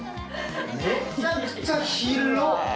めっちゃくちゃ広っ！